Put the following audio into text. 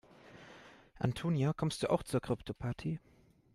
Antonia, kommst du auch zur Kryptoparty?